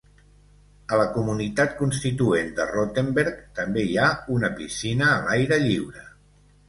A la comunitat constituent de Rottenberg també hi ha una piscina a l'aire lliure.